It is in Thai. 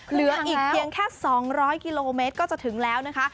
เหลืออีกเพียงแค่๒๐๐กิโลเมตรก็จะถึงแล้วนะคะ